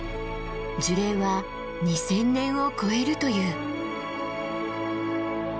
樹齢は２，０００年を超えるという。